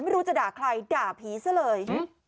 ไม่รู้จะด่าใครด่าผีซะเลย